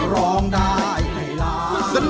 เพื่อร้องได้ให้ร้อง